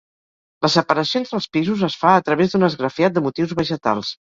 La separació entre els pisos es fa a través d'un esgrafiat de motius vegetals.